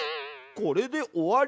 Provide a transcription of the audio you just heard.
これで終わり？